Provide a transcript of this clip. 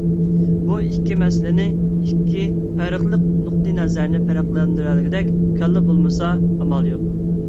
بۇ ئىككى مەسىلىنى، ئىككى پەرقلىق نۇقتىئىنەزەرنى پەرقلەندۈرەلىگۈدەك كاللا بولمىسا، ئامال يوق.